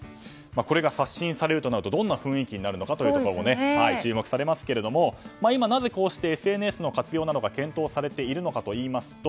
これが刷新されるとなるとどんな雰囲気なるのかも注目されますが、今なぜこうしてＳＮＳの活用などが検討されているのかといいますと